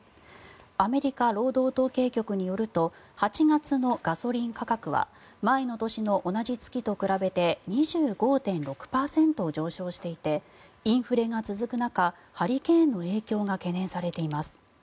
アメリカ労働統計局によると８月のガソリン価格は前の年の同じ月と比べて２５．６％上昇していてインフレが続く中ハリケーンの影響が懸念されています。